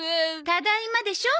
ただいまでしょ。